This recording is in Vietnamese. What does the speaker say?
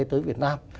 tới việt nam